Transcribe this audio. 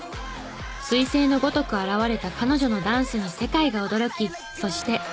彗星のごとく現れた彼女のダンスに世界が驚きそして。